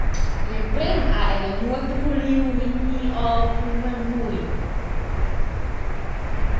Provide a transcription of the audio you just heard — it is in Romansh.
Igl emprem ha el nuota vuliu vegnir ora cul marmugn.